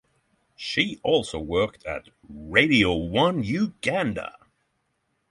She also worked at Radio One Uganda.